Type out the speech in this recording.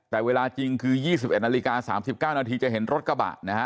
แต่เวลาจริงคือ๒๑นาฬิกา๓๙นาทีจะเห็นรถกระบะนะฮะ